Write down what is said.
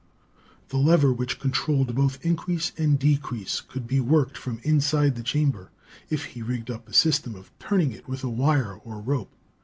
The lever which controlled both increase and decrease could be worked from inside the chamber if he rigged up a system of turning it with a wire or rope.